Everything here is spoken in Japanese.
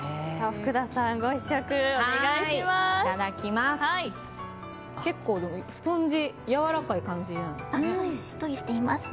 福田さん、ご試食お願いします。